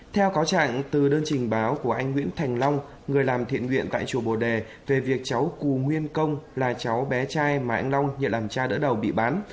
theo cáo trạng từ đơn trình báo của anh nguyễn thành long người làm thiện nguyện tại chùa bồ đề về việc cháu cù nguyên công là cháu bé trai mà anh long nhận làm cha đỡ đầu bị bán